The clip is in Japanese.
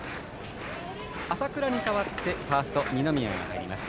浅倉に代わってファースト、二宮が入ります。